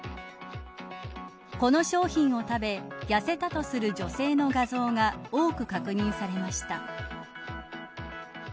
この商品を食べ、痩せたとする女性の画像が多く確認されました。